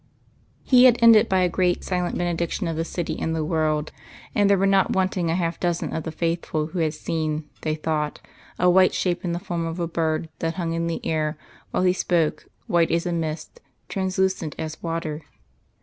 He had ended by a great silent Benediction of the City and the World: and there were not wanting a half dozen of the faithful who had seen, they thought, a white shape in the form of a bird that hung in the air while he spoke white as a mist, translucent as water....